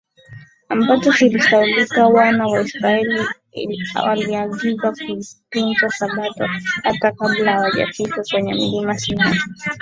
ambacho kilisahaulika Wana wa Israeli waliagizwa kuitunza Sabato hata kabla hawajafika kwenye Mlima Sinai